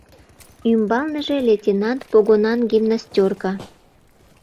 Ӱмбалныже лейтенант погонан гимнастёрка.